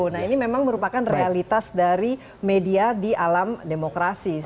nah ini memang merupakan realitas dari media di alam demokrasi